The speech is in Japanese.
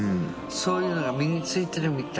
そういうのが身についてるみたい。